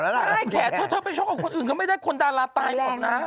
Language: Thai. ใต้แขนเธอเธอไปชกกับคนอื่นก็ไม่ได้คนดาราตายหมดนะ